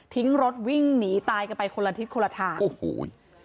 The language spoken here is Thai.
ทิ้งรถวิ่งหนีตายกันไปคนละทิศคนละทางโอ้โห